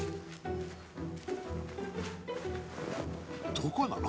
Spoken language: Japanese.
「どこなの？